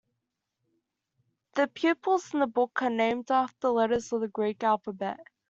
The pupils in the book are named after letters of the Greek alphabet.